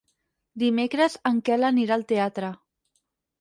Dimecres en Quel anirà al teatre.